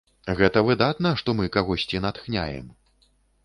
Гэта выдатна, што мы кагосьці натхняем.